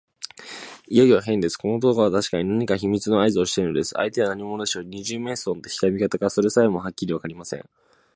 いよいよへんです。この男はたしかに何か秘密のあいずをしているのです。相手は何者でしょう。二十面相の敵か味方か、それさえもはっきりわかりません。